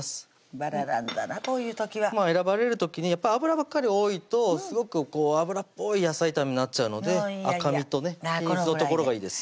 バラなんだなこういう時は選ばれる時にやっぱり脂ばっかり多いとすごくこう脂っぽい野菜炒めになっちゃうので赤身とね均一のところがいいです